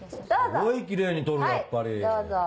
すごいキレイに取るやっぱり。